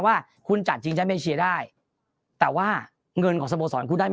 ว่าคุณจัดชิงแชมป์เอเชียได้แต่ว่าเงินของสโมสรคุณได้ไหม